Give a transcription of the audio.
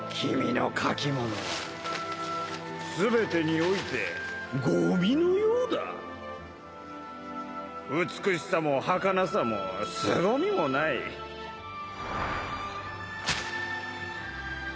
君全てにおいてゴミのようだ美しさもはかなさもすごみもな響凱の声）